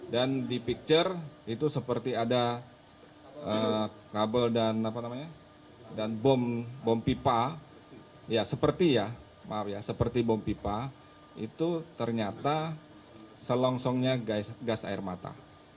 di picture itu seperti ada kabel dan bom pipa ya seperti ya maaf ya seperti bom pipa itu ternyata selongsongnya gas air mata